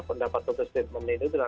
pendapat atau statement itu